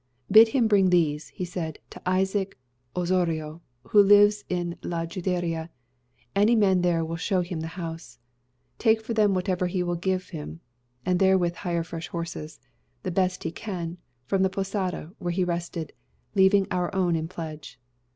"Bid him bring these," he said, "to Isaac Ozorio, who dwells in La Juderia[#] any man there will show him the house; take for them whatever he will give him, and therewith hire fresh horses the best he can from the posada where he rested, leaving our own in pledge.